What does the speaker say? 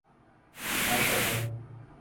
تماشا تھا۔